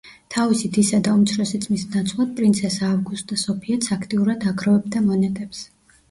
თავისი დისა და უმცროსი ძმის ნაცვლად, პრინცესა ავგუსტა სოფიაც აქტიურად აგროვებდა მონეტებს.